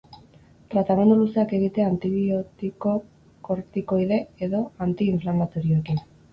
Tratamendu luzeak egitea antibiotiko, kortikoide edo anti-inflamatorioekin.